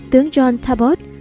tướng john talbot